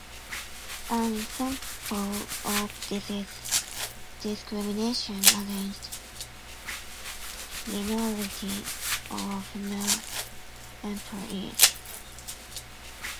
An example of this is discrimination against minority or female employees.